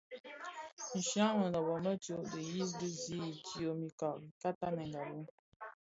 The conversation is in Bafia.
Nshya mënöbö më tsô dhiyis di zi idyom ika tanèngabi.